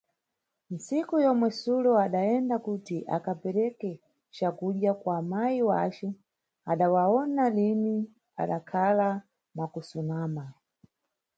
Tsiku yomwe sulo adayenda kuti akapereke cakudya kwa mayi yace adawawona lini, adakhala mwakusumana.